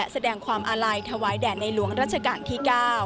แสดงความอาลัยถวายแด่ในหลวงรัชกาลที่๙